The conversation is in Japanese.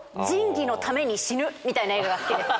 みたいな映画が好きです。